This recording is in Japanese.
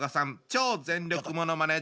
超全力ものまね